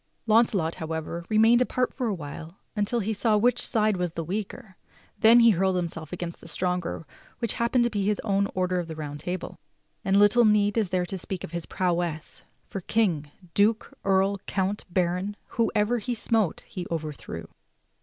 Launcelot, however, remained apart for a while until he saw which side was the w^eaker, then he hurled himself against the stronger which happened to be his own order of the Round Table. And little need is there to speak of his prowess, for king, duke, earl, count, baron — whoever he smote he overthrew.